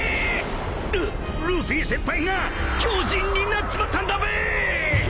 ルルフィ先輩が巨人になっちまったんだべ！］